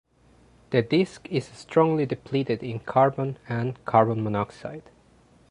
The disk is strongly depleted in carbon and carbon monoxide.